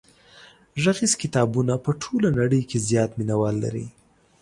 غږیز کتابونه په ټوله نړۍ کې زیات مینوال لري.